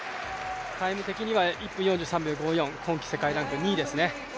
タイム的には１分２３秒５４、今季世界ランク２位ですね。